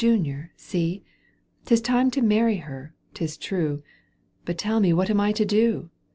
201 Tis time to many her, 'tis true, But tell me what am I to do